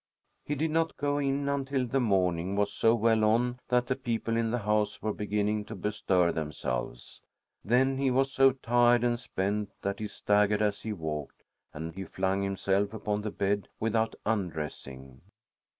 He did not go in until the morning was so well on that the people in the house were beginning to bestir themselves. Then he was so tired and spent that he staggered as he walked, and he flung himself upon the bed without undressing.